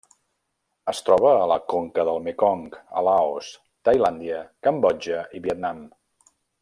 Es troba a la conca del Mekong a Laos, Tailàndia, Cambodja i Vietnam.